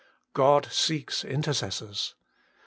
God seeks intercessors.